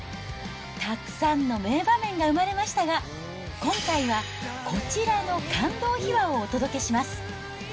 たくさんの名場面が生まれましたが、今回は、こちらの感動秘話をお届けします。